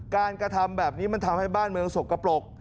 การกระทำแบบนี้มันทำให้บ้านเมืองสกปรก